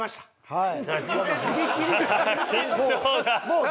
はい。